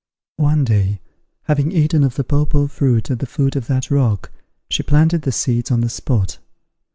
One day, having eaten of the papaw fruit at the foot of that rock, she planted the seeds on the spot.